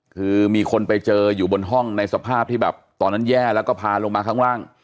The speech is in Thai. คือมีคนไปเจออยู่บนห้องในสภาพที่แบบตอนนั้นแย่แล้วก็พาลงมาข้างล่าง